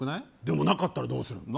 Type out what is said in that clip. でもなかったらどうするん？